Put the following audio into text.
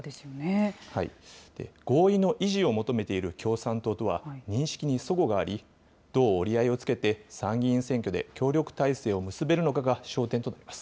合意の維持を求めている共産党とは認識にそごがあり、どう折り合いをつけて、参議院選挙で協力体制を結べるのかが焦点となります。